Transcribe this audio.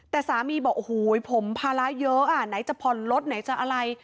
แต่สามีบอกโอ้โหผมภาระเยอะอ่ะไหนจะผ่อนรถไหนจะอะไร